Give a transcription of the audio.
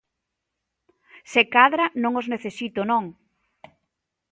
Se cadra non os necesito, non.